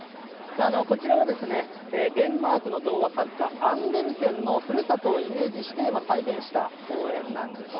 こちらはデンマークの童話作家、アンデルセンのふるさとをイメージして再現した公園なんですね。